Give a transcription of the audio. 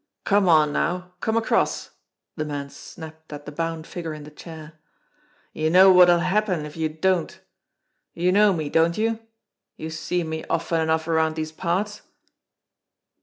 "Come on, now ! Come across !" the man snapped at the bound figure in the chair. "You know what'll happen if you don't! You know me, don't you? You've seen me often enough around these parts."